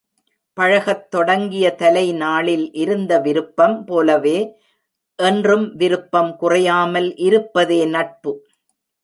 பழகத் தொடங்கிய தலை நாளில் இருந்த விருப்பம் போலவே, என்றும் விருப்பம் குறையாமல் இருப்பதே நட்பு.